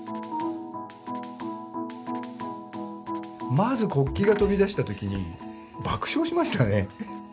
まず国旗が飛び出した時に爆笑しましたね。